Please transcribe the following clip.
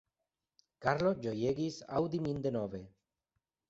Karlo ĝojegis aŭdi min denove.